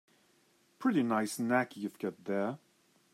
Pretty nice neck you've got there.